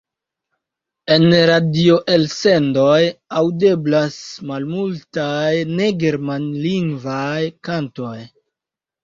En radioelsendoj aŭdeblas malmultaj ne-germanlingvaj kantoj.